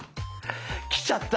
きちゃった。